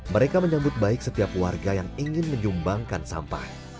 mereka menyambut baik setiap warga yang ingin menyumbangkan sampah